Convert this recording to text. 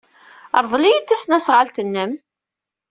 Rḍel-iyi-d tasnasɣalt-nnem.